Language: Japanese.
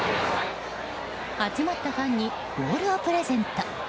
集まったファンにボールをプレゼント。